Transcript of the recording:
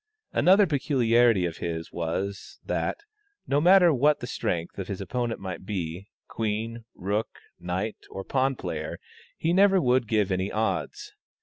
Another peculiarity of his was, that, no matter what the strength of his opponent might be queen, rook, knight, or pawn player he never would give any odds.